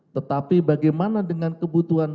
tetapi bagaimana dengan kebutuhan